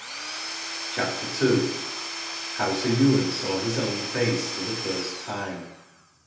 CHAPTER II. HOW SIR YWAIN SAW HIS OWN FACE THE FIRST TIME.